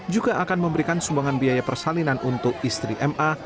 juga akan memberikan sumbangan biaya persalinan untuk istri ma